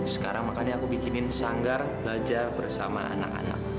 sekarang makanya aku bikinin sanggar belajar bersama anak anak